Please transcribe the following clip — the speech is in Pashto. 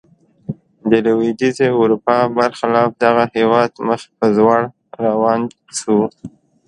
د لوېدیځې اروپا برخلاف دغه هېواد مخ پر ځوړ روان شو.